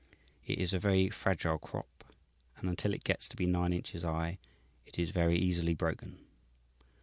"It is a very fragile crop, and until it gets to be nine inches high it is very easily broken.